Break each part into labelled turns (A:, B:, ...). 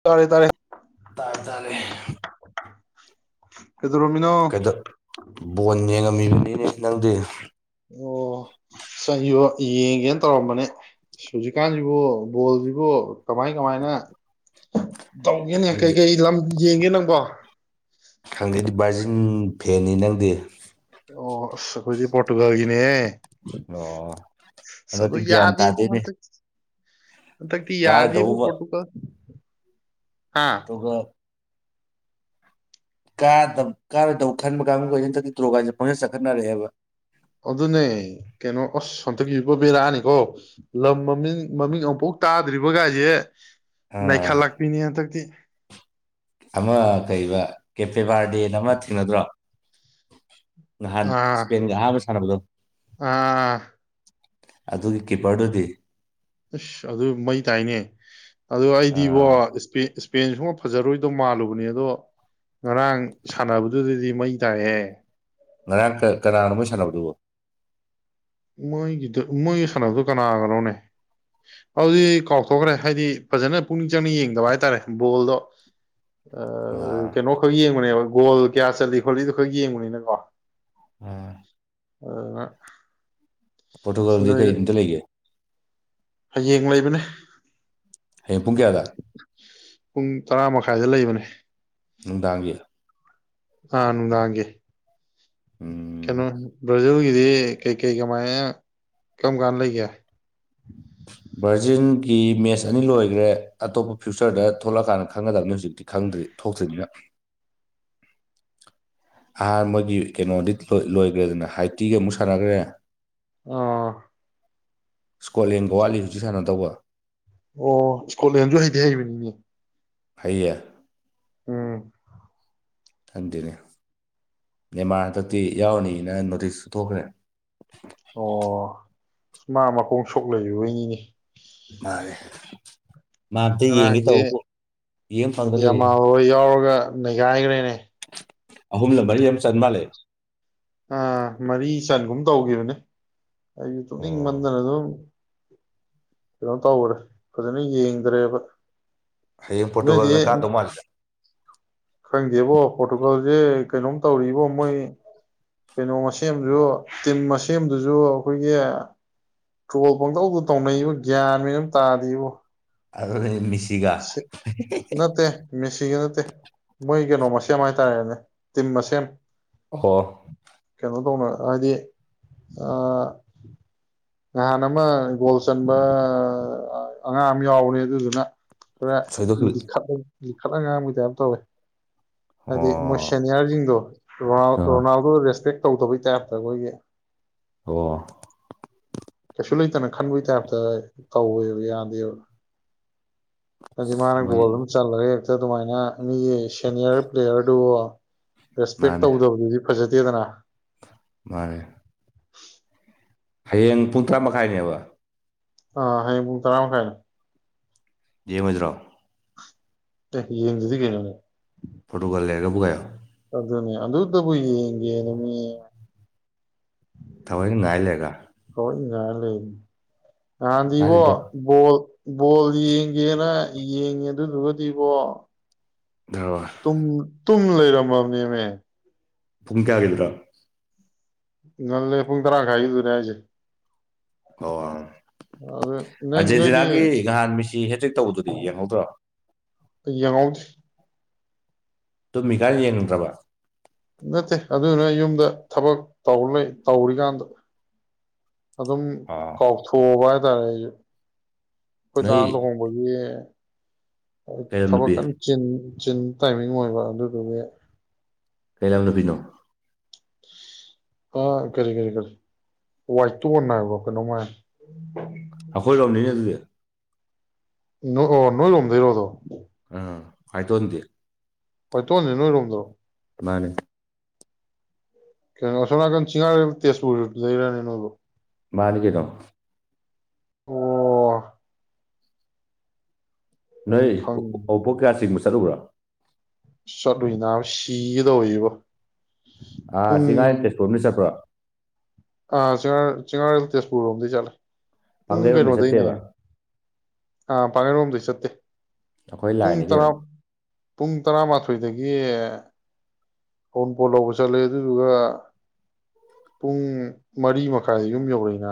A: ꯇꯥꯔꯦ ꯇꯥꯔꯦ
B: ꯇꯏ ꯇꯔꯦ
A: [unintelligible]
B: ꯀꯩꯗ ꯣꯅꯤꯉ ꯀꯃꯤ ꯃꯅꯨꯡꯅ ꯅꯪꯗꯦ
A: ꯑꯣ ꯁꯣ ꯌꯦꯡꯒꯦꯅ ꯇꯧꯔꯝꯕꯅꯦ ꯍꯧꯨꯖꯤꯛꯀꯥꯟꯁꯤꯕꯨ ꯕꯣꯜꯁꯤꯕꯨ ꯀꯃꯥꯏ ꯀꯃꯥꯏꯅ ꯇꯧꯒꯦꯅꯦ
B: ꯅꯪꯗꯤ
A: ꯀꯩꯀꯩ ꯂꯝ ꯌꯦꯡꯒꯦ ꯅꯪꯕꯣ
B: ꯈꯪꯒꯦꯗꯤ ꯕꯥꯔꯖꯤꯤꯡ ꯐꯦꯟꯅꯤ ꯅꯪꯗꯤ
A: ꯑꯣꯈꯣꯏꯗꯤ ꯄꯣꯣꯔꯇꯨꯒꯜꯒꯤꯅꯦ
B: ꯑꯣ
A: ꯆꯂꯣ
B: ꯍꯟꯗꯛꯇꯤ ꯒ꯭ꯌꯥꯟ
A: ꯌꯥꯗ
B: ꯇꯥꯗꯦꯅꯦ
A: ꯑꯗꯛꯇ ꯌꯥꯗ ꯍꯕꯨꯣ
B: ꯀꯥꯔꯗꯧꯕ
A: ꯄꯣꯇꯨꯀ
B: ꯑꯗꯨꯒ ꯀꯥ ꯀꯥꯔꯗꯧ ꯈꯟꯕ ꯀꯥꯕ ꯀꯟ ꯆ ꯇ꯭ꯔꯣ ꯀꯥꯏꯁꯦ ꯄꯪꯁ ꯆꯠꯈꯠꯅꯔꯛꯦꯕ
A: ꯑꯗꯨꯅꯦ ꯀꯩꯅꯣ ꯑꯁ ꯁꯣꯟꯊ ꯏꯕ ꯕꯦꯔꯥꯅꯤꯀꯣ ꯂꯝ ꯃꯃꯤꯡ ꯃꯃꯤꯡ ꯑꯃꯨꯛꯐꯥꯎ ꯇꯥꯗ꯭ꯔꯤꯕꯒꯥꯏꯁꯦ ꯃ
B: ꯑꯥ
A: ꯈꯥ ꯂꯥꯛꯄꯤꯅꯦꯇꯛꯇꯗꯤ
B: ꯑꯃ ꯀꯔꯤꯕ ꯀꯦꯄꯦꯕꯥꯔꯗꯦꯟ ꯑꯃ ꯊꯦꯡꯅꯗ꯭ꯔꯣ ꯅꯍꯥꯟ
A: ꯑꯥ
B: ꯏꯁꯄꯦꯟꯒ ꯑꯍꯥꯥꯟꯕ ꯁꯥꯟꯅꯕꯗꯣ
A: ꯑꯥ
B: ꯑꯗꯨꯒꯤ ꯀꯤꯄꯔꯗꯨꯗꯤ
A: ꯑꯁ ꯑꯗꯨ ꯃꯩ ꯇꯥꯏꯅꯦ ꯑꯗꯨ ꯑꯩꯗꯤꯕꯣ
B: ꯑꯥ
A: ꯄꯦꯟ ꯁꯨꯝꯕ ꯐꯖꯔꯣꯏꯗꯧ ꯃꯥꯜꯂꯨꯕꯅꯦ ꯑꯗꯣ ꯉꯔꯥꯡ ꯁꯥꯟꯅꯕꯗꯨꯗꯗꯤ ꯃꯩ ꯇꯥꯛꯑꯦ
B: ꯉꯔꯍꯥꯛ ꯀꯅꯥꯅꯣꯣꯏ ꯁꯥꯟꯅꯕꯗꯨꯕꯣ
A: ꯃꯣꯏꯒꯤꯗ ꯃꯣꯏꯒꯤ ꯁꯥꯟꯅꯛꯇꯣ ꯀꯅꯥꯒꯅꯣꯅꯦ ꯑꯗꯨꯗꯤ ꯀꯥꯎꯊꯣꯛꯈ꯭ꯔꯦ ꯍꯥꯏꯗꯤ ꯐꯖꯅ ꯄꯨꯛꯅꯤꯡ ꯆꯪꯅ ꯌꯦꯡꯗꯕ ꯍꯥꯏꯇꯥꯔꯦ ꯕꯣꯜꯗꯣ ꯑ
B: ꯑꯥ
A: ꯀꯩꯅꯣꯈꯛ ꯌꯦꯡꯕꯅꯦꯕ ꯒꯣꯜ ꯀꯌꯥ ꯆꯠꯂꯤ ꯈꯣꯠꯂꯤꯗꯨꯣ ꯈꯔ ꯌꯦꯡꯕꯅꯤꯅꯀꯣ
B: ꯑꯥ
A: ꯎ
B: ꯐꯣꯇꯣꯀꯣꯜꯗꯤ ꯀꯩꯅꯇ ꯂꯩꯒꯦ
A: ꯍꯌꯦꯡ ꯂꯩꯕꯅꯦ
B: ꯍꯌꯦ ꯄꯨꯡ ꯀꯌꯥꯗ
A: ꯄꯨꯡ ꯇꯔꯥ ꯃꯈꯥꯏꯗ ꯂꯩꯕꯅꯦ
B: ꯅꯨꯡꯗꯥꯡꯒꯤ
A: ꯑꯥꯅꯅꯨꯡ ꯂꯥꯡꯒꯦ
B: ꯎꯝ
A: ꯀꯩꯅꯣ ꯖꯒ ꯁꯤ ꯀꯩ ꯀꯩ ꯀꯃ ꯀꯃꯀ ꯂꯩ ꯀ
B: ꯚꯔꯖꯤꯟꯒꯤ ꯃꯦꯠꯁ ꯑꯅꯤ ꯂꯣꯏꯈ꯭ꯔꯦ ꯑꯇꯣꯞꯄ ꯐ꯭ꯌꯨꯆꯔꯗ ꯊꯣꯛꯂꯛꯑꯀꯥꯟꯗ ꯈꯪꯒꯗꯕꯅꯤ ꯍꯧꯖꯤꯛꯇꯤ ꯈꯪꯗ꯭ꯔꯤ ꯊꯣꯛꯇ꯭ꯔꯤꯅꯤꯅ ꯑꯍꯥꯟꯕ ꯃꯣꯏꯒꯤ ꯀꯩꯅꯣꯗꯤ ꯂꯣꯏꯈ꯭ꯔꯦꯗꯅ ꯍꯥꯏꯇꯤꯒꯤ ꯑꯃꯨꯛ ꯁꯥꯟꯅꯈ꯭ꯔꯦ
A: ꯑꯥ
B: ꯁꯀꯣꯂ ꯒꯣꯋꯥꯂꯤ ꯍꯧꯖꯤ ꯁꯥꯟꯅ ꯇꯧꯕ
A: ꯑꯣ ꯏꯁꯀꯣꯠꯂꯦꯟꯁꯨ ꯍꯩꯗꯤ ꯍꯩꯕꯅꯤꯅꯦ
B: ꯐꯌꯦꯌꯦ
A: ꯎꯝ
B: ꯈꯟꯗꯦꯅꯦ ꯅꯃꯥ ꯍꯟꯗꯛꯇꯤ ꯌꯥꯎꯔꯅꯤꯅ ꯅꯣꯇꯤꯁꯁꯨ ꯊꯣꯛꯈ꯭ꯔꯦ
A: ꯑꯣ ꯃꯥ ꯃꯈꯣꯡ ꯁꯣꯛ ꯂꯩꯕꯣꯏꯅꯤꯅꯦ
B: ꯃꯥꯔꯦ
A: ꯉꯔꯥꯡꯁꯤ
B: ꯌꯦꯡ ꯐꯪꯗ
A: ꯌꯥꯝꯃꯥ
B: ꯂꯩꯔꯤꯅꯤ
A: ꯍꯣꯏ ꯌꯥꯎꯔꯒ ꯅꯩꯈꯥꯏꯈ꯭ꯔꯦꯅꯦ
B: ꯑꯍꯨꯝꯂ ꯃꯔꯤ ꯑꯃ ꯆꯟ ꯃꯥꯜꯂꯦ
A: ꯑꯥ ꯃꯔꯤ ꯆꯟꯒꯨꯝ ꯇꯧꯈꯤꯕꯅꯦ ꯑꯩꯁꯨ
B: ꯑꯣ
A: ꯇꯨꯝꯅꯤꯡ ꯃꯟꯗꯅ ꯑꯗꯨꯝ ꯀꯩꯅꯣꯝ ꯇꯧꯈ꯭ꯔꯦ ꯐꯖꯅ ꯌꯦꯡꯗ꯭ꯔꯦꯕ
B: ꯍꯌꯦꯡ
A: ꯅꯣꯏꯗꯤ
B: ꯄꯣꯔꯇꯨꯒꯜꯅ ꯀꯥꯗꯧ ꯃꯥꯜꯂꯦ
A: ꯈꯪꯗꯦꯕꯣ ꯄꯣꯇꯨ ꯍꯧꯖꯤꯛ ꯀꯩꯅꯣꯝ ꯇꯧꯔꯤꯕꯣ ꯃꯣꯏ ꯀꯩꯅꯣ ꯃꯁꯦꯝꯁꯨ ꯇꯤꯝ ꯃꯁꯦꯝꯗꯨꯁꯨ ꯑꯩꯈꯣꯏꯒꯤ ꯇ꯭ꯔꯣꯜ ꯄꯪꯇꯧꯗꯨ ꯇꯧꯅꯩꯕ ꯒ꯭ꯌꯥꯟ ꯃꯦꯟ ꯇꯥꯗꯦꯕꯨ
B: ꯑꯗꯨꯅꯤ ꯃꯤꯁꯤꯒ
A: ꯅꯠꯇꯦ ꯃꯦꯁꯤꯒꯤ ꯅꯠꯇꯦ ꯃꯣꯏ ꯀꯩꯅꯣ ꯃꯁ ꯁꯦꯝ ꯍꯥꯏꯇꯥꯔꯦꯅꯦ ꯇꯤꯝ ꯃꯁ ꯁꯦꯝ
B: ꯑꯣ
A: ꯍꯥꯏ ꯍꯥꯏꯗꯤ ꯅꯍꯥꯟ ꯑꯃ ꯒꯣꯜ ꯆꯟꯕ ꯑꯉꯥꯡ ꯑꯃ ꯌꯥꯎꯕꯅꯦ ꯑꯗꯨꯗꯨꯅ ꯈꯔ
B: ꯁꯣꯏꯗꯣꯛꯈꯤꯕ
A: ꯂꯤꯈꯠꯂꯨꯕꯒꯤ ꯈꯇꯪ ꯉꯥꯡꯕꯒꯤ ꯇꯥꯏꯞ ꯇꯧꯋꯦ ꯍꯥꯏꯗꯤ ꯃꯣꯏ
B: ꯑꯣ
A: ꯁꯦꯅꯤꯌꯥꯔꯁꯤꯡꯗꯣ ꯔꯣꯅꯥꯜ
B: ꯑꯣ
A: ꯔꯣꯅꯥꯜꯗꯣꯗ ꯔꯦꯁꯄꯦꯛ ꯇꯧꯗꯕꯩ ꯇꯥꯏꯞꯇ ꯑꯩꯈꯣꯏꯒꯤ
B: ꯑꯣ
A: ꯀꯩꯁꯨ ꯂꯩꯇꯅ ꯈꯟꯕꯒꯤ ꯇꯥꯏꯞꯇ ꯇꯧꯋꯦꯕ ꯌꯥꯗꯦꯕ ꯑꯗꯨꯗꯤ
B: ꯃꯣꯏ
A: ꯃꯥꯅꯒꯣꯜ ꯑꯃ ꯆꯠꯂꯒ ꯑꯗꯨꯃꯥꯏꯅ ꯃꯤꯒꯤ ꯁꯦꯅꯤꯌꯔ ꯄ꯭ꯂꯦꯌꯔꯗꯣ [inaudible] ꯔꯦꯁꯄꯦꯛ
B: ꯃꯥꯅꯦ
A: ꯇꯧꯗꯕꯗꯨꯗꯤ ꯐꯖ ꯁꯤꯗꯅ
B: ꯃꯥꯅꯦ ꯍꯌꯦꯡ ꯄꯨꯡ ꯇꯔꯥ ꯃꯈꯥꯏꯅꯦꯕ
A: ꯑ ꯍꯌꯦꯡ ꯄꯨꯡ ꯇꯔꯥꯃꯈꯥꯏꯅꯦ
B: ꯌꯦꯡꯉꯨꯖꯦꯔꯣ
A: ꯇ ꯌꯦꯡꯗꯗꯤ ꯀꯩꯅꯣꯅꯦ
B: ꯄꯣꯇꯨꯒꯜ ꯂꯩꯔꯒꯕꯨ ꯀꯥꯏꯌꯣ
A: ꯑꯗꯨꯅꯦ ꯑꯗꯨꯇꯕꯨ ꯌꯦꯡꯒꯦ ꯅ ꯃꯤ
B: ꯊꯑꯣꯏꯅ ꯉꯥꯏ ꯂꯩꯔꯒ
A: ꯉꯥꯏ ꯂꯩꯔꯅꯤ ꯅꯥꯍꯟꯗꯤ ꯏꯕꯣ
B: ꯀꯥꯅꯤꯗꯕ꯭ꯔꯣ
A: ꯕꯣꯜ ꯌꯦꯡꯒꯦꯅ ꯌꯦꯡꯉꯦ ꯑꯗꯨꯗꯨꯒꯗꯤꯕꯣ ꯇꯨꯡ ꯇꯨꯝ ꯂꯩꯔꯝꯃꯅꯦꯃꯦ
B: ꯄꯨꯨꯡ ꯀꯦꯌꯥꯒꯗ꯭ꯔꯥ
A: ꯅ ꯂꯩ ꯄꯨꯡ ꯇꯔꯥ ꯈꯥꯏꯗꯨꯅꯦꯖꯦ
B: ꯍ
A: ꯑꯗꯨ ꯅꯣꯏ ꯅꯣꯏꯗꯤ
B: ꯑꯥꯔꯖꯦꯟꯇꯤꯅꯥꯒꯤ ꯅꯍꯥꯟ ꯃꯤꯁꯤ ꯍꯦꯇꯦꯛ ꯇꯧꯕꯗꯨꯗꯤ ꯌꯦꯡꯍꯧꯗ꯭ꯔꯣ
A: ꯑꯩ ꯌꯦꯡꯉꯧꯗꯔꯤ
B: ꯇꯃꯤ ꯀꯥꯜ ꯌꯦꯅꯤꯡ꯭ꯔꯕ
A: ꯅꯠꯇꯦ ꯑꯗꯨꯅ ꯌꯨꯝꯗ ꯊꯕꯛ ꯇꯧꯔꯤꯀꯥꯟꯗ ꯑꯗꯨꯝ
B: ꯑꯣ
A: ꯀꯥꯎꯊꯣꯛꯑꯕ ꯔ ꯑꯩꯣꯏꯗꯥ
B: ꯅꯣꯏ
A: ꯂꯨꯍꯣꯡꯕꯒꯤ
B: ꯀꯩ ꯂꯝ ꯅꯨꯄꯤ
A: ꯊꯕꯛꯀꯥꯟ ꯆꯦꯟ ꯆꯤꯟ ꯇꯥꯏꯃꯤꯡ ꯑꯣꯏꯕ ꯑꯗꯨꯗꯨꯒꯤ
B: ꯀꯩ ꯂ ꯑꯃꯅꯤꯅ ꯐꯅꯣ
A: ꯑꯥ ꯀꯔꯤ ꯀꯔꯤ ꯀꯔꯤ ꯋꯥꯏꯠꯇ ꯅꯥꯏꯕ ꯀꯩꯅꯣꯉꯥꯏ
B: ꯑꯩꯈꯣꯏ ꯂꯥꯎꯅꯤꯅ ꯑꯗꯨꯒ
A: ꯑꯣ ꯅꯣꯏꯔꯣꯝꯗꯔꯣꯗꯣ
B: ꯑꯥ ꯍꯥꯏꯥꯏ ꯇ ꯑꯣꯗꯤꯦ
A: ꯍꯣꯏ ꯇꯣꯅꯤ ꯅꯣꯏꯔꯣꯝꯗꯣ
B: ꯔꯃꯅ
A: ꯀꯩꯅꯣꯁꯅꯥ ꯀ ꯆꯤꯡꯔ ꯇꯦꯁꯄꯨꯔ ꯂꯩꯔꯅꯤꯅꯣꯣ
B: ꯃꯥꯅꯤ ꯀꯇꯣ
A: ꯑꯣ ꯑꯩ
B: ꯅꯣꯏ
A: ꯈꯪꯉꯦ
B: ꯑꯣꯕꯣꯛꯀꯦꯁꯤ ꯆꯠꯂꯨꯕ꯭ꯔꯥ
A: ꯆꯂꯨ ꯅꯥꯕ ꯁꯤꯍꯤꯗ ꯑꯣꯏꯌꯦꯕ
B: ꯑ ꯁꯤ ꯉꯥꯏ ꯇꯦꯁꯄꯨꯔꯅ ꯆꯠꯄ꯭ꯔꯣ
A: ꯑꯥ ꯆꯔ ꯆꯒꯥꯔꯇꯁꯄꯨꯔ ꯔꯣꯝꯗꯤ ꯆ ꯄꯨꯡ
B: ꯄꯥꯡꯒꯩꯔꯣꯝꯗꯤ
A: ꯀꯩꯅꯣꯗꯩꯅꯦ
B: ꯆꯠꯇꯦꯕ
A: ꯑꯥ ꯄꯥꯅꯔꯣꯝꯗꯩ ꯆꯠꯇꯦ
B: ꯑꯩꯈꯣꯏ
A: ꯄꯨꯡ
B: ꯂꯥꯏꯅꯤ
A: ꯇꯔꯥ
B: ꯀꯩꯅꯣ
A: ꯄꯨꯡ ꯇꯔꯥꯃꯥꯊꯣꯏꯗꯒꯤ ꯑꯩꯒꯤ ꯐꯣꯟ ꯄꯣ ꯂꯧꯕ ꯆꯠꯂꯦ ꯑꯗꯨꯗꯨꯒ ꯄꯨꯡ ꯃꯔꯤ ꯃꯈꯥꯏ ꯌꯨꯝ ꯌꯧꯔꯛꯏꯅ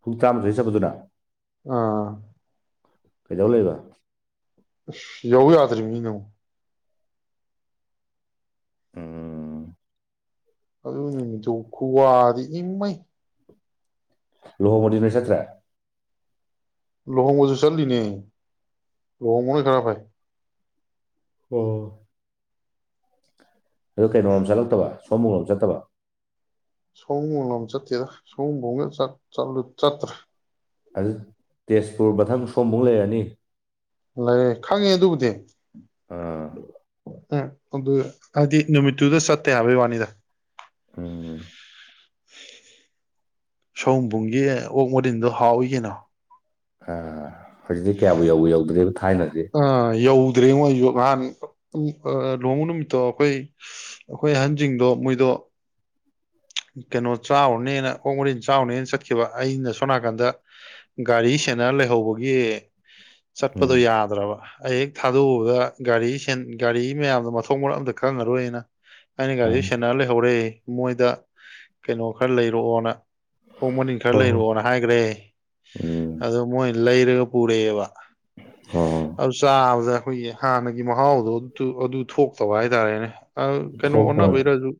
B: ꯄꯨꯡ ꯆꯥꯝꯃꯗ ꯍ ꯆꯠꯄꯗꯨꯔ
A: ꯑꯥ
B: ꯀꯩꯗꯧ ꯂꯩꯕ
A: ꯌꯥꯎ ꯌꯥꯇ꯭ꯔꯤ ꯃꯤꯅ
B: ꯎꯝ
A: ꯑꯗꯨ ꯆ ꯈꯨꯋꯥꯗꯤ ꯏꯃꯩ
B: ꯂꯨꯍꯕꯗꯤ ꯅꯣꯏ ꯆꯠꯇ꯭ꯔꯦ
A: ꯂꯨꯍꯣꯡꯕꯁꯨ ꯆꯠꯂꯤꯅꯦ ꯂꯨꯍꯣꯡꯕꯅ ꯈꯔ ꯐꯥꯏ
B: ꯑꯣ ꯑꯗꯨ ꯀꯩꯅꯣꯣꯔꯣꯝ ꯆꯠꯂꯛꯇꯕ ꯁꯣꯃꯔꯣꯝ ꯆꯠꯇꯕ
A: ꯁꯣꯝ ꯆꯠꯇꯦꯔ ꯁꯣꯨꯝꯐꯥꯎꯒꯠꯂ ꯆꯠꯇ꯭ꯔꯥ
B: ꯑꯗꯨ ꯇꯦꯖꯄꯨꯔ ꯃꯊꯪ ꯁꯣꯝꯐꯧ ꯂꯩꯔꯅꯤ
A: ꯂꯩ ꯈꯪꯉꯦ ꯑꯗꯨꯕꯨꯗꯤ
B: ꯑꯥ
A: ꯑ ꯑꯗꯨ ꯍꯥꯏꯗꯤ ꯅꯨꯃꯤꯠꯇꯨꯗ ꯆꯠꯇꯦ ꯍꯥꯏꯕꯩ ꯋꯥꯅꯤꯗ
B: ꯎꯝ
A: ꯁꯣꯕꯨꯝꯒꯤ ꯑꯣꯛ ꯃꯗꯤꯟꯗꯣ ꯍꯥꯎꯋꯏ ꯀꯅ
B: ꯑ ꯍꯧꯖꯤꯛꯇꯤ ꯀꯌꯥꯕꯨ ꯌꯧꯕ ꯌꯧꯗ꯭ꯦꯔꯤꯕ
A: ꯑꯥ ꯌꯧꯗ꯭ꯔꯦꯉꯣꯏ ꯅꯍꯥꯟ ꯂꯨꯍꯃ ꯅꯨꯃꯤꯠꯇꯣ ꯑꯩꯈꯣꯏ ꯑꯩꯈꯣꯏ ꯑꯍꯟꯁꯤꯡꯗꯣ ꯃꯣꯏꯗꯣ ꯀꯩꯅꯣ ꯆꯥꯎꯔꯅꯦꯅ ꯀꯣꯡ ꯃꯔꯤꯟ ꯆꯥꯎꯔꯨꯅꯦꯅ ꯆꯠꯈꯤꯕ ꯑꯩꯅ ꯁꯣꯝ ꯅꯥꯀꯟꯗ ꯒꯥꯔꯤ ꯁꯦꯅꯔ ꯂꯩꯍꯧꯕꯒꯤ ꯆꯠꯄꯗꯣ
B: ꯎꯝ
A: ꯌꯥꯗ꯭ꯔꯕ ꯑꯩ ꯍꯦꯛ ꯊꯥꯗꯣꯛꯎꯕꯗ ꯒꯥꯔꯤ ꯒꯥꯔꯤ ꯃꯌꯥꯝꯗꯣ ꯃꯊꯣꯡ ꯃꯔꯛ ꯑꯝꯇ ꯈꯪꯉꯔꯣꯏꯅ ꯑꯩꯅ ꯒꯥꯔꯤꯗ
B: ꯑꯥ
A: ꯁꯦꯟꯅꯔ ꯂꯩꯍꯧꯔꯦ ꯃꯣꯏꯗ ꯀꯩꯅꯣ ꯈꯔ ꯂꯩꯔꯛꯑꯣꯅ ꯑ‌ꯣꯛ ꯃꯅꯤꯟ ꯈꯔ
B: ꯍꯣ ꯍꯣ
A: ꯂꯩꯔꯑꯣꯅ ꯍꯥꯏꯈ꯭ꯔꯦ
B: ꯎꯝ
A: ꯑꯗ‌ꯣꯃꯣꯏ ꯂꯩꯔꯒ ꯄꯨꯔꯑꯕ
B: ꯍꯣꯏ
A: ꯍꯧꯐ ꯆꯥꯗ ꯑꯩꯈꯣꯏꯒꯤ ꯍꯥꯟꯅꯒꯤ ꯃꯍꯥꯎꯗꯣ ꯑꯗꯨ ꯊꯣꯛꯇꯕ ꯍꯥꯏꯇꯥꯔꯦꯅꯦ ꯑ ꯀꯩꯅꯣ
B: ꯊꯣꯛꯈ꯭ꯔꯕ
A: ꯑꯣꯅ ꯩꯔꯖꯨ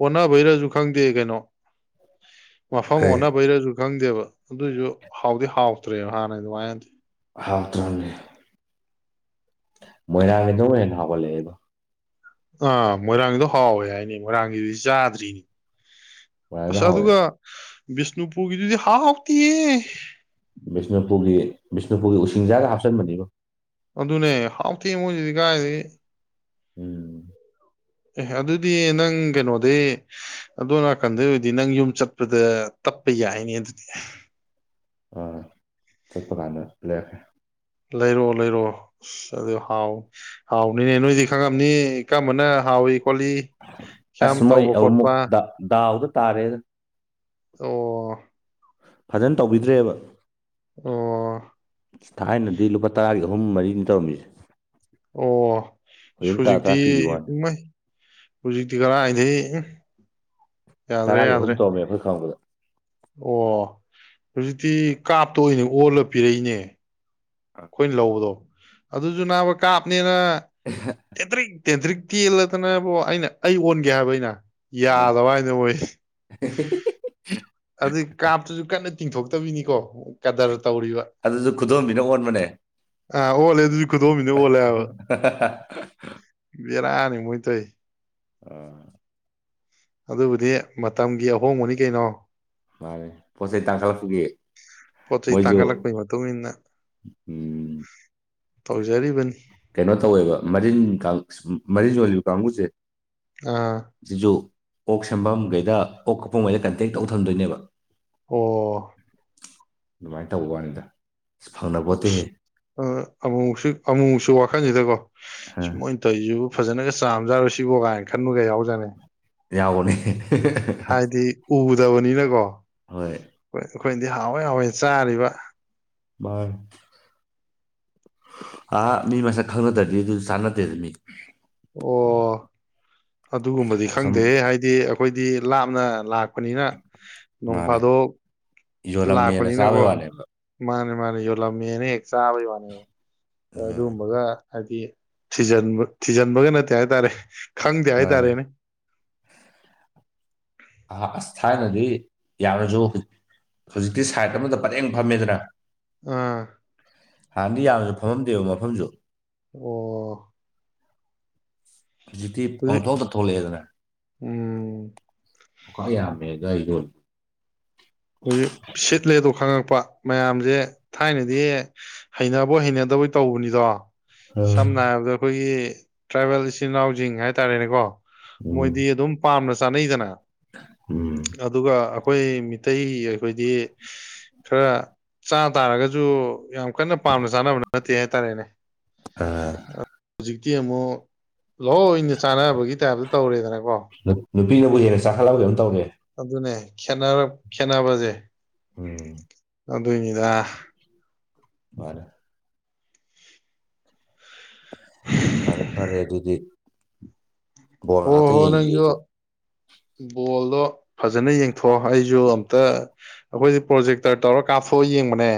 A: ꯑꯣꯅꯥꯕꯩꯔꯖ ꯈꯪꯗꯦ ꯀꯩꯅꯣ ꯃꯐꯝ
B: ꯀꯩ
A: ꯑꯣꯅꯕꯩꯔꯥꯁꯖ ꯈꯪꯗꯦꯕ ꯑꯗꯨꯏꯁꯨ ꯍꯥꯎꯗꯤ ꯍꯥꯎꯇ꯭ꯔꯦꯕ ꯍꯥꯟꯅ ꯑꯗꯨꯃꯥꯏꯅꯗꯤ
B: ꯍꯥꯎꯇ꯭ꯔꯝꯅꯦ ꯃꯣꯏꯔꯥꯡꯒꯤꯗ‌ꯣ ꯍꯦꯟꯅ ꯍꯥꯎꯒꯠꯂꯛꯦꯕ
A: ꯑꯥ ꯃꯣꯏꯔꯥꯡꯒꯤꯗꯣ ꯍꯥꯎꯋꯦ ꯍꯥꯏꯅꯦ ꯃꯣꯏꯔꯥꯡꯒꯤꯗꯨꯗꯤ ꯆꯥꯗ꯭ꯔꯤꯅꯤ
B: ꯃꯣꯏꯔꯥꯡꯒꯤꯗꯣ
A: ꯑꯁ
B: ꯍꯥꯎꯋꯦ
A: ꯑꯗꯨꯒ ꯕꯤꯁꯅꯨꯄꯨꯔꯒꯤꯗꯨꯗꯤ ꯍꯥꯥꯎꯥꯇ‌ꯦꯌꯦ
B: ꯕꯤꯁꯅꯨꯄꯨꯔꯒꯤ ꯕꯤꯁꯅꯨꯄꯨꯔꯒꯤ ꯎꯁꯤꯡꯖꯥꯒ ꯍꯥꯞꯆꯟꯕꯅꯤꯕꯣ
A: ꯑꯗꯨꯅꯦ ꯍꯥꯎꯊꯦꯡ ꯃꯣꯏꯁꯤꯗꯤ ꯀꯥꯏ
B: ꯎꯝ
A: ꯑꯦ ꯑꯗꯨꯗꯤ ꯅꯪ ꯀꯩꯅꯣꯗꯩ ꯑꯗꯣ ꯅꯥꯀꯟꯗꯩ ꯑꯣꯏꯗꯤ ꯅꯪ ꯌꯨꯝ ꯆꯠꯄꯗ ꯇꯞꯄ ꯌꯥꯏꯅꯦ ꯑꯗꯨꯗꯤ
B: ꯑ ꯆꯠꯄ ꯀꯥꯟꯗ ꯂꯩꯔꯛꯀꯦ
A: ꯂꯩꯔꯛꯑꯣ ꯂꯩꯔꯣꯑꯣ ꯑ ꯑꯗꯨ ꯍꯥꯎ ꯍꯥꯎꯅꯤꯅꯦ ꯅꯣꯏꯗꯤ ꯈꯪꯉꯝꯅꯤ ꯏꯀꯝꯕꯅ ꯍꯥꯎꯏꯤ
B: ꯑꯁꯃꯣꯏ ꯑꯃꯃꯨꯛ ꯗꯥꯎꯗ ꯇꯥꯔꯦꯜ
A: ꯑꯣ
B: ꯐꯖꯅ ꯇꯧꯕꯤꯗ꯭ꯔꯦꯕ
A: ꯑꯣ
B: ꯊꯥꯏꯅꯗꯤ ꯂꯨꯄꯥ ꯇꯔꯥꯒꯤ ꯑꯍꯨꯝ ꯃꯔꯤꯅꯤ ꯇꯧꯔꯝꯃꯤꯁꯦ
A: ꯑꯣ
B: ꯍꯧꯖꯤꯛ ꯇꯔꯥ ꯇꯔꯥ
A: ꯍꯧꯖꯤꯛꯇꯤ
B: ꯄꯤꯒꯤ
A: ꯎ
B: ꯋꯥꯅꯤ
A: ꯃꯩ ꯍꯧꯖꯤꯛꯇꯤ ꯀꯔ ꯑꯗꯒꯤꯩ ꯎꯝ ꯌꯥꯗ꯭ꯔꯦ
B: ꯇꯔꯥꯒꯤ ꯑꯍꯨꯝ
A: ꯌꯥꯗ꯭ꯔꯦ
B: ꯇꯧꯔꯝꯃꯦ ꯑꯩꯈꯣꯏ ꯈꯪꯕꯗ
A: ꯑꯣ ꯍꯧꯖꯤꯛꯇꯤ ꯀꯥꯞꯇ ꯑꯣꯏꯅ ꯑꯣꯜꯂ ꯄꯤꯔꯛꯏꯅꯦ ꯑꯩꯈꯣꯏꯅ ꯂꯧꯕꯗꯣ ꯑꯗꯨꯁꯨꯅꯥ ꯀꯥꯞ ꯑꯦꯠꯇ ꯇꯦꯟꯊ꯭ꯔꯤꯛ ꯇꯦꯜꯂꯗꯅꯕꯨ ꯑꯩꯅ ꯑꯩ ꯑꯣꯟꯒꯦ ꯍꯥꯏꯕ ꯑꯩꯅ
B: ꯑ
A: ꯌꯥꯗꯕ ꯍꯥꯏꯅ ꯑꯣꯏ ꯑꯗꯨꯩ ꯀꯥꯞꯇꯁꯨ ꯀꯟꯅ ꯇꯤꯡꯊꯣꯛꯇꯃꯤꯅꯤꯀꯣ
B: ꯑꯗꯨꯁꯨ ꯈꯨꯗꯣꯝꯕꯤꯅ ꯑꯣꯟꯕꯅꯦ
A: ꯑ ꯑꯣ ꯂꯩ ꯑꯗꯨ
B: [inaudible]
A: ꯕꯦꯔꯥꯅꯤ ꯃꯣꯏ ꯇꯥꯏ
B: ꯎꯝ
A: ꯑꯗꯨꯕꯨꯗꯤ ꯃꯇꯝꯒꯤ ꯑꯍꯣꯡꯕꯅꯤ ꯀꯩꯅꯣ
B: ꯃꯥꯅꯤ ꯄꯣꯠ ꯆꯩꯩ ꯇꯥꯡꯈꯠꯂꯛꯁꯨꯒꯤ
A: ꯄꯣꯠ ꯆꯩ
B: ꯃꯣꯏꯁꯨ
A: ꯇꯥꯡꯈꯠꯂꯛꯄꯒꯤ ꯃꯇꯨꯡ ꯏꯟꯅ
B: ꯎꯝ
A: ꯇꯧꯖꯔꯤꯕꯅꯤ
B: ꯀꯩꯅꯣ ꯇꯧꯋꯦꯕ ꯃꯔꯤꯟ ꯃꯔꯤꯁꯨꯣꯜꯂꯤꯌꯨ ꯀꯥꯡꯕꯨꯁꯦ
A: ꯑꯥ
B: ꯀꯣꯛ ꯁꯐꯝꯝꯈꯩꯗ ꯀꯣꯛ ꯀꯄꯣꯡꯉꯩꯗ ꯀꯟꯇꯦꯛ ꯇꯧ ꯊꯝꯗꯣꯏꯅꯦꯕ
A: ꯑꯣ
B: ꯑꯗꯨꯃꯥꯏꯅ ꯇꯧꯕꯅꯤꯗ
A: ꯑ ꯑꯕꯣꯡꯁꯤ ꯑꯃꯨꯛꯁꯨ ꯋꯥꯈꯟꯁꯤꯗꯀꯣ ꯁꯨꯃꯣꯏꯅ ꯇꯧꯁꯨ ꯐꯖꯅꯒ ꯆꯥꯝꯖꯥꯔꯨꯣꯏ ꯁꯤꯕꯣ ꯀꯥꯏꯅ ꯈꯟꯂꯒ ꯌꯥꯎꯖꯅꯤ
B: ꯌꯥꯎꯕꯅꯦ
A: ꯍꯥꯏꯗꯤ ꯎꯗꯕꯅꯤꯅꯀꯣ
B: ꯍꯣꯏ
A: ꯍꯣꯏ ꯑꯩꯈꯣꯏ ꯗꯤ ꯍꯥꯎꯋꯦ ꯍꯥꯎꯋꯏ ꯆꯥꯔꯤꯕ
B: ꯚꯥꯏ ꯑꯥ ꯃꯤ ꯃꯁꯛ ꯈꯪꯅꯗ꯭ꯔꯗꯤ ꯑꯗꯨꯗꯤ ꯆꯥꯟꯅꯗꯦ ꯑꯗꯨ ꯃꯤ
A: ꯑꯣ ꯑꯗꯨꯒꯨꯝꯕꯗꯤ
B: ꯑꯁꯨꯝ
A: ꯈꯪꯗꯦ ꯍꯥꯏꯗꯤ ꯑꯩꯈꯣꯏꯗꯤ ꯂꯥꯞꯅ ꯂꯥꯛ ꯊꯣꯛꯄꯅꯤꯅ ꯅꯣꯡꯐꯥꯗꯣꯛ
B: ꯌꯣ ꯂꯝꯃꯤꯅ ꯁꯥꯎ ꯑꯣꯏ ꯋꯥꯅꯦ
A: ꯃꯥ ꯌ ꯂꯝꯃꯤ ꯍ ꯆꯥꯕꯩ
B: ꯎꯝ
A: ꯑꯗꯨꯒꯕꯒ ꯍꯥꯏꯗꯤ ꯊꯤꯖꯤꯟꯕ ꯊꯤꯖꯤꯟꯕꯒ ꯅꯠꯇꯦ ꯍꯥꯏꯇꯥꯔꯦ ꯈꯪꯗꯦ
B: ꯃꯥꯅꯦ
A: ꯍꯥꯏꯇꯥꯔꯦꯅꯦ
B: ꯑ ꯑꯁ ꯊꯥꯏꯅꯗꯤ ꯌꯥꯝꯔꯁꯨ ꯍꯧꯖꯤꯛꯇꯤ ꯁꯥꯏꯠ ꯑꯃꯗ ꯄꯠꯦꯡ ꯐꯝꯃꯦꯗꯅ
A: ꯑꯥ
B: ꯍꯥꯟꯅꯗꯤ ꯌꯥꯝꯅꯁꯨ ꯐꯝꯃꯝꯗꯦꯕ ꯃꯐꯝꯁꯨ
A: ꯑꯣ
B: ꯍꯧꯖꯤꯛꯇꯤ
A: ꯍꯧꯖꯤꯛ
B: ꯄꯪꯊꯣꯛꯇ ꯊꯣꯛꯂꯛꯑꯦꯗꯅ
A: ꯎꯝ
B: ꯈ ꯌꯥꯝꯃꯦꯗ ꯑꯩ ꯂꯣ
A: ꯍꯧꯖꯤꯛ ꯁꯤꯠꯂꯦꯗꯣ ꯈꯪꯉꯛꯄ ꯃꯌꯥꯝꯁꯦ ꯊꯥꯏꯅꯗꯤ ꯍꯩꯅꯕꯣꯏ ꯍꯩꯅꯗꯕꯣꯏ ꯇꯧꯕꯅꯤꯗꯣ ꯁꯝꯅ ꯍꯥꯏꯔꯕꯗ ꯑꯩꯈꯣꯏꯒꯤ ꯇ꯭ꯔꯥꯏꯕꯦꯜ ꯏꯆꯤꯟ ꯏꯅꯥꯎꯁꯤꯡꯤꯡ ꯍꯥꯏꯇꯥꯔꯦꯅꯦꯀꯣ
B: ꯎꯝ
A: ꯃꯣꯏꯗꯤ ꯑꯗꯨꯝ ꯄꯥꯝꯅ ꯄꯁꯥꯅꯗꯅ
B: ꯎꯝ
A: ꯑꯗꯨꯒ ꯑꯩꯈꯣꯏ ꯃꯤꯇꯩ ꯑꯩꯈꯣꯏꯗꯤ ꯈꯔ ꯆꯥ ꯇꯥꯔꯒꯁꯨ ꯌꯥꯝ ꯀꯟꯅ ꯄꯥꯝꯅ ꯆꯥꯅꯕ ꯅꯠꯇꯦ ꯍꯥꯏꯇꯥꯔꯦꯅꯦ
B: ꯑꯥ
A: ꯍꯧꯖꯤꯛꯇꯤ ꯑꯃꯨꯛ ꯂꯍꯑꯣ ꯑꯩꯅ ꯆꯥꯟꯅꯕꯒꯤ ꯇꯥꯏꯞꯇ ꯇꯧꯔꯦꯗꯅꯀꯣ
B: ꯅꯨꯄꯤꯅꯕꯨ ꯍꯦꯟꯅ ꯆꯈꯠꯂ ꯀꯣ ꯇꯧꯔꯦ
A: ꯑꯕꯗꯨꯅ ꯈꯅꯥ ꯈꯅꯥꯕꯖꯦ
B: ꯎꯝ
A: ꯑꯗꯨꯣꯏꯅꯤꯗ
B: ꯐꯅꯦꯦ ꯐꯔꯦ ꯐꯔꯦ ꯑꯗꯨꯗꯤ ꯕꯣꯜ
A: ꯍꯣ
B: ꯉꯥꯏꯍꯥꯛꯇ
A: ꯍꯣ
B: ꯌꯦꯡꯈꯤꯒꯦ
A: ꯅꯪꯁꯨ
B: ꯑꯩꯁꯨ
A: ꯕꯣꯜꯗꯣ ꯐꯖꯅ ꯌꯦꯡ ꯊꯣ ꯍꯥꯏꯁꯨꯣ ꯑꯝꯇ ꯑꯩꯈꯣꯏꯁꯦ ꯄ꯭ꯔꯣꯖꯦꯛꯇꯔ ꯇꯧꯔ ꯀꯥꯞꯊꯣꯛꯑ ꯌꯦꯡꯕꯅꯦ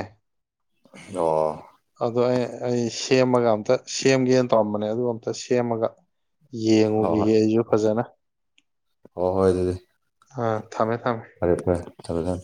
B: ꯑꯣ
A: ꯑꯗꯣ ꯑꯩ ꯑꯩ ꯁꯦꯝꯃꯒ ꯑꯝꯇ ꯁꯦꯝꯒꯦꯅ ꯇꯧꯔꯝꯕꯅꯦ ꯑꯗꯨ ꯑꯝꯇ ꯁꯦꯝꯃꯒ ꯌꯦꯡꯉꯨꯈꯤꯒ ꯑꯩꯁꯨ ꯐꯖꯅ
B: ꯍꯣ ꯍꯣꯏ ꯑꯗꯨꯗꯤ
A: ꯑ
B: ꯑꯔꯦꯄ ꯆꯂꯗ